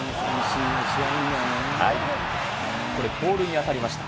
これ、ポールに当たりました。